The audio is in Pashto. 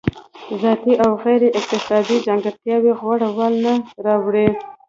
ذاتي او غیر اکتسابي ځانګړتیاوې غوره والی نه راوړي.